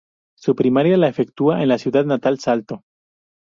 Su primaria la efectúa en la ciudad natal Salto.